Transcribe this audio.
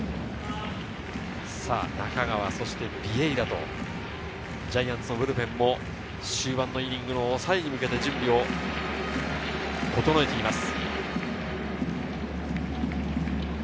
中川、そしてビエイラと、ジャイアンツのブルペンも終盤のイニングの抑えに向けて準備を整えています。